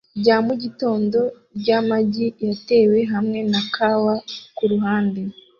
rya mugitondo ryamagi yatewe hamwe na kawa kuruhande